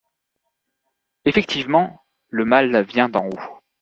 Effectivement, le mal vient d’en haut.